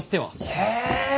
へえ。